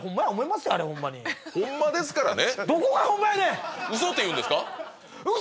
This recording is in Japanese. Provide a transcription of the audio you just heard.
ホンマですからね。